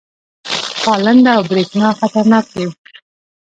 تالنده او برېښنا خطرناک دي؟